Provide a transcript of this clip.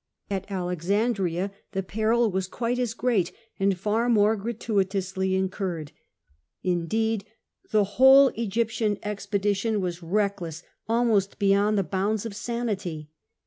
At Alexandria the peril was quite as great, and far more gratuitously incurred : indeed the whole Egyptian expedi 324 C^SAR fcion was reckless almost beyond the bounds of sanity.